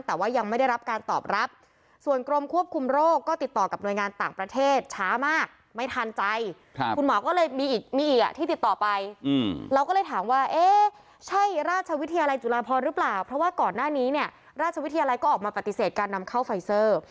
เพราะว่าก่อนหน้านี้เนี่ยราชวิทยาลัยก็ออกมาปฏิเสธการนำเข้าไฟเซอร์